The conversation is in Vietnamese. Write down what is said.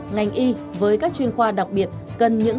ngành y với các chuyên khoa các bài toán chung của ngành y tế hiện nay